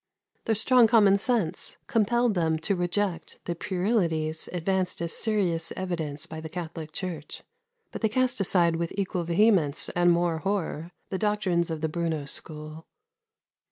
Their strong common sense compelled them to reject the puerilities advanced as serious evidence by the Catholic Church; but they cast aside with equal vehemence and more horror the doctrines of the Bruno school.